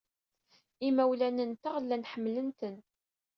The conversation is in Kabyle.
Imawlan-nteɣ llan ḥemmlen-ten.